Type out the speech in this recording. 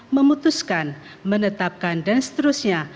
memutuskan menetapkan dan seterusnya